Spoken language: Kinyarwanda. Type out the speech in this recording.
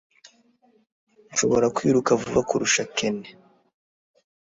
nshobora kwiruka vuba kurusha ken